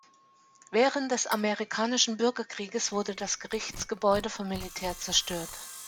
Während des Amerikanischen Bürgerkrieges wurde das Gerichtsgebäude vom Militär zerstört.